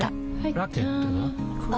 ラケットは？